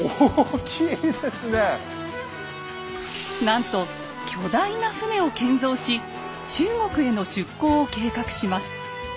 なんと巨大な船を建造し中国への出航を計画します。